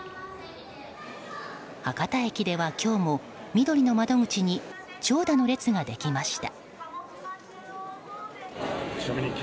博多駅では今日もみどりの窓口に長蛇の列ができました。